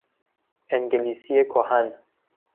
انگلیسی کهن